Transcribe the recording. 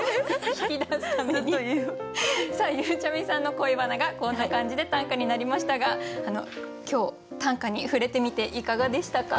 ゆうちゃみさんの恋バナがこんな感じで短歌になりましたが今日短歌に触れてみていかがでしたか？